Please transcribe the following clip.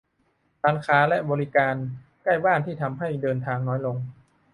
- ร้านค้าและบริการใกล้บ้านที่ทำให้เดินทางน้อยลง